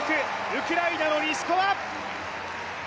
ウクライナのリシコワ。